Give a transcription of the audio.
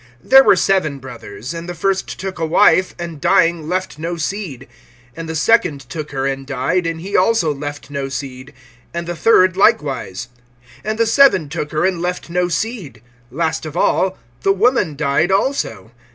(20)There were seven brothers; and the first took a wife, and dying left no seed. (21)And the second took her, and died, and he also left no seed; and the third likewise. (22)And the seven took her, and left no seed. Last of all the woman died also.